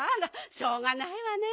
しょうがないわねえ。